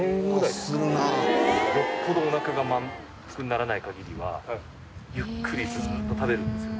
よっぽどおなかが満腹にならない限りはゆっくりずっと食べるんですよ。